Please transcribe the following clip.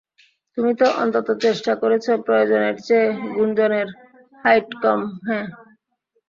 তুমি তো অন্তত চেষ্টা করেছ প্রয়োজনের চেয়ে গুঞ্জনের হাইট কম - হ্যাঁ।